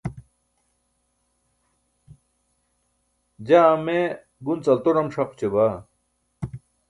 jaa ame gunc alto-ḍam ṣaq oćabaa